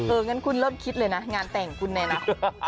เอองั้นคุณเริ่มคิดเลยนะงานแต่งของคุณเนี่ยนะ